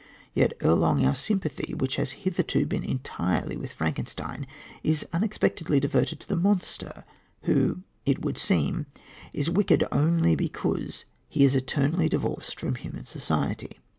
Yet ere long our sympathy, which has hitherto been entirely with Frankenstein, is unexpectedly diverted to the monster who, it would seem, is wicked only because he is eternally divorced from human society.